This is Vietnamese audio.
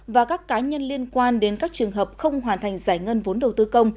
và các cá nhân liên quan đến các trường hợp không hoàn thành giải ngân vốn đầu tư công